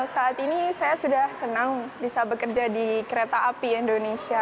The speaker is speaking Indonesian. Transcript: saat ini saya sudah senang bisa bekerja di kereta api indonesia